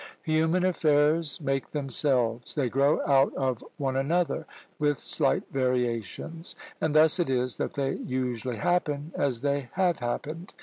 Human affairs make themselves; they grow out of one another, with slight variations; and thus it is that they usually happen as they have happened.